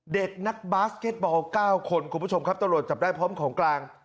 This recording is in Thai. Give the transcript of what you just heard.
เด็กนักบาสเก็ตบอล๙คนคุณผู้ชมครับตำรวจจับได้พร้อมของกลาง